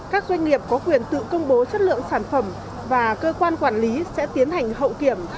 các doanh nghiệp có quyền tự công bố chất lượng sản phẩm và cơ quan quản lý sẽ tiến hành hậu kiểm